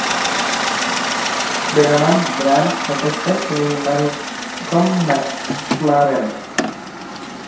Barnum, Brian Epstein এবং Malcolm McLaren.